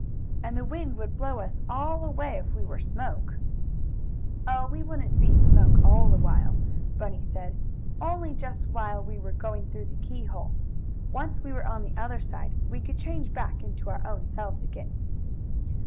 And the wind would blow us all away, if we were smoke." "Oh, we wouldn't be smoke all the while," Bunny said. "Only just while we were going through the keyhole. Once we were on the other side we could change back into our own selves again."